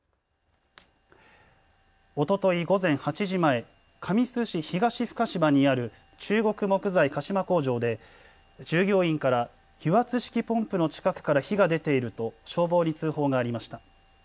おととい午前８時前、神栖市東深芝にある中国木材鹿島工場で従業員から油圧式ポンプの近くから火が出ていると消防に通報がありました。